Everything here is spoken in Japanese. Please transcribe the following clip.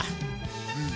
うん。